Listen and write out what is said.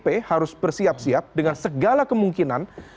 pp harus bersiap siap dengan segala kemungkinan